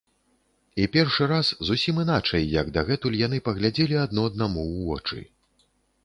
І першы раз, зусім іначай, як дагэтуль, яны паглядзелі адно аднаму ў вочы.